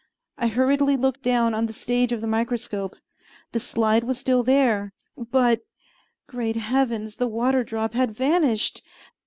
I hurriedly looked down on the stage of the microscope. The slide was still there but, great heavens, the water drop had vanished!